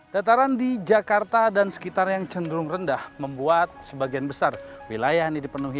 dataran di jakarta dan sekitar yang cenderung rendah membuat sebagian besar wilayah ini dipenuhi